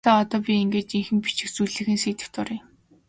За одоо би ингээд жинхэнэ бичих зүйлийнхээ сэдэвт оръё.